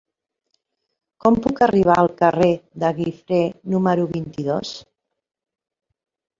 Com puc arribar al carrer de Guifré número vint-i-dos?